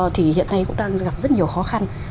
thì hiện nay cũng đang gặp rất nhiều khó khăn